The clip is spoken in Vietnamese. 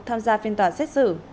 tham gia phiên tòa xét xử